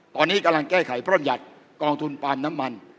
ตอนนี้กำลังแก้ไขพร่ำยัดกองทุนน้ำมัน